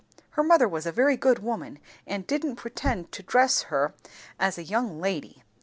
Her mother was a very good woman, and didn't pretend to dress her as a young lady.